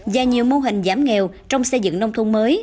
và nhiều mô hình giảm nghèo trong xây dựng nông thôn mới